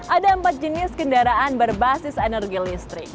ada empat jenis kendaraan berbasis energi listrik